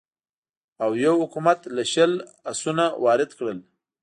اویو حکومت له شله اسونه وارد کړل.